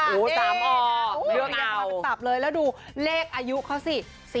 ๓อเรียกมาเป็นตับเลยแล้วดูเลขอายุเขาสิ๔๖